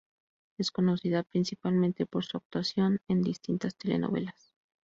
Es conocida principalmente por su actuación en distintas telenovelas.